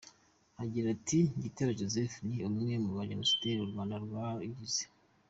Agira ati” Gitera Joseph ni umwe mu bajenosideri u Rwanda rwagize.